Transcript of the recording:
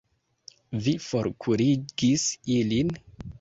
Vi forkurigis ilin?